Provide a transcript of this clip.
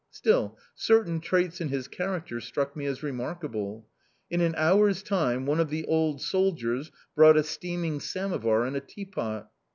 Still, certain traits in his character struck me as remarkable. In an hour's time one of the old soldiers brought a steaming samovar and a teapot.